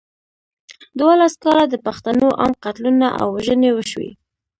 دولس کاله د پښتنو عام قتلونه او وژنې وشوې.